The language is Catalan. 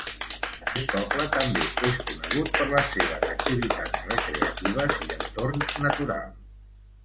Aquest poble també és conegut per les seves activitats recreatives i entorn natural.